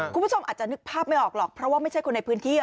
คุณผู้ชมอาจจะนึกภาพไม่ออกหรอกเพราะว่าไม่ใช่คนในพื้นที่